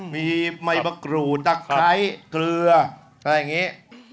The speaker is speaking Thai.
มีใบมะกรูดตะไคร้เกลืออะไรอย่างนี้